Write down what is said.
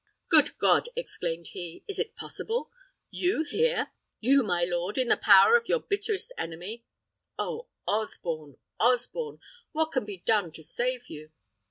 "Good God!" exclaimed he, "is it possible? You here! You, my lord, in the power of your bitterest enemy? Oh! Osborne, Osborne! what can be done to save you?